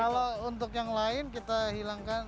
kalau untuk yang lain kita hilangkan